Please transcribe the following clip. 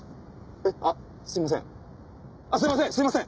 えっあっすいません。